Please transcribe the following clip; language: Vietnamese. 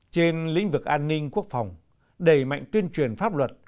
trên lĩnh vực an ninh quốc phòng đầy mạnh tuyên truyền pháp luật